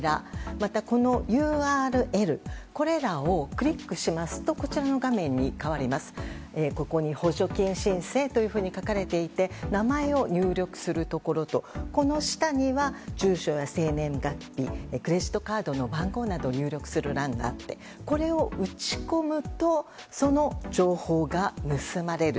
また、ＵＲＬこれらをクリックしますと画面が変わりまして「補助金申請」と書かれていて名前を入力するところとその下には、住所や生年月日クレジットカードの番号などを入力する欄があってこれを打ち込むとその情報が盗まれる。